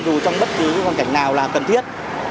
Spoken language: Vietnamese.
dù trong bất cứ hoàn cảnh nào là cần thiết